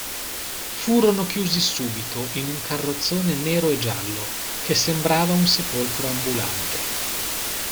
Furono chiusi subito in un carrozzone nero e giallo che sembrava un sepolcro ambulante.